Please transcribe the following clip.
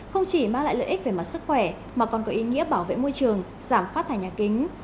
không chỉ mang lại lợi ích về mặt sức khỏe mà còn có ý nghĩa bảo vệ môi trường giảm phát thải nhà kính